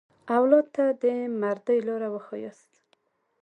اولاد ته د مردۍ لاره وښیاست.